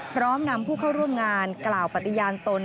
พร้อมนำผู้เข้าร่วมงานกล่าวปฏิญาณตน